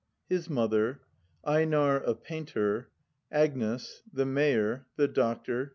His Mother. EiNAR, a 'paiiiier. Agnes. The Mayor. The Doctor.